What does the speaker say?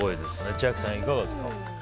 千秋さん、いかがですか？